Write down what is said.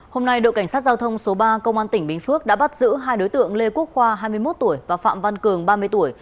hôm nay đội cảnh sát giao thông số ba công an tỉnh bình phước đã bắt giữ hai đối tượng lê quốc khoa hai mươi một tuổi và phạm văn cường ba mươi tuổi